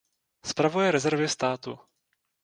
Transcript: Spravuje rezervy státu.